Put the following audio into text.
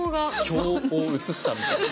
経を写したみたいな。